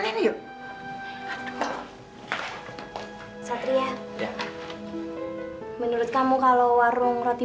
nanti sih aku nge salah jawab nih